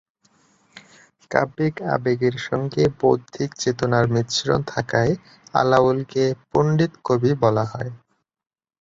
কাব্যিক আবেগের সঙ্গে বৌদ্ধিক চেতনার মিশ্রণ থাকায় আলাওলকে ‘পন্ডিতকবি’ বলা হয়।